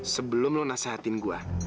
sebelum lu nasihatin gue